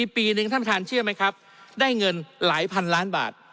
ปีนึงท่านประธานเชื่อไหมครับได้เงินหลายพันล้านบาท